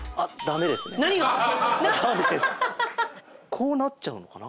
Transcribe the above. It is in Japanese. こうなっちゃうのかな？